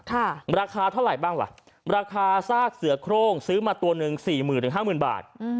ราคาเท่าไหร่บ้างล่ะราคาซากเสือกโครงซื้อมาตัวหนึ่ง๔๐๐๐๐๕๐๐๐๐บาท